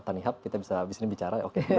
tanihub kita bisa bisnis bicara oke